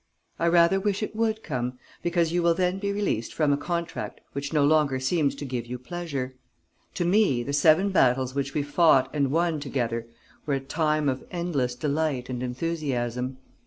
I rather wish it would come, because you will then be released from a contract which no longer seems to give you pleasure. To me the seven battles which we fought and won together were a time of endless delight and enthusiasm.